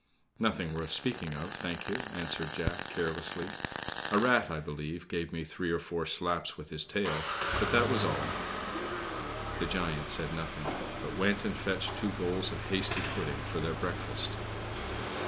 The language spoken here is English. "Nothing worth speaking of, thank you," answered Jack, carelessly. "A rat, I believe, gave me three or four slaps with his tail; but that was all." The giant said nothing; but went and fetched two bowls of hasty pudding for their breakfast.